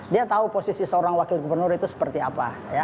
dia tahu posisi seorang wakil gubernur itu seperti apa